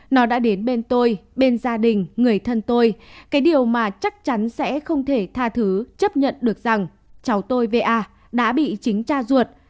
nó đã đến bên tôi bên gia đình người thân tôi cái điều mà chắc chắn sẽ không thể tha thứ chấp nhận được rằng cháu tôi va đã bị chính cha ruột